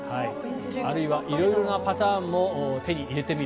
あるいは色々なパターンも手に入れてみる。